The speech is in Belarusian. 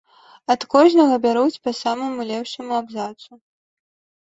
Ад кожнага бяруць па самаму лепшаму абзацу.